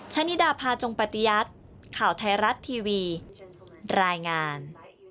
ชะนิดาพาจงปฏิยัติข่าวไทยรัฐทีวีรายงาน